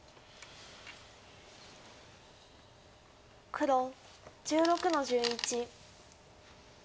黒１６の十一。